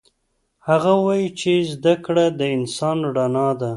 هغه وایي چې زده کړه د انسان رڼا ده